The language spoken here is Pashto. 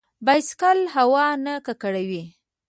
بایسکل هوا نه ککړوي.